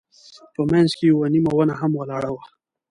په منځ کې یوه نیمه ونه هم ولاړه وه.